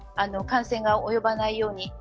感染が及ばないように。